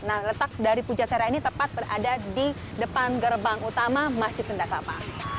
nah letak dari pujasera ini tepat berada di depan gerbang utama masjid sunda sama